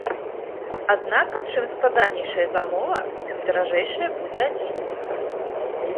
Аднак, чым складанейшая замова, тым даражэйшае будзе адзенне.